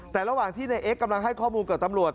แต่ระหว่างที่ในเอ็กซกำลังให้ข้อมูลกับตำรวจ